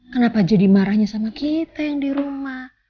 kenapa jadi marahnya sama kita yang di rumah